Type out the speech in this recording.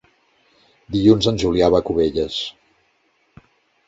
Dilluns en Julià va a Cubelles.